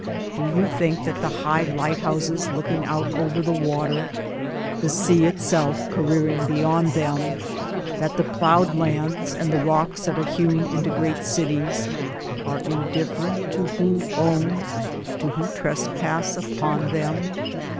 do you think that the high lighthouses looking out over the water, the sea itself careering beyond them, that the ploughed lands, and the rocks that are hewn into great cities, are indifferent to who own, to who trespass upon them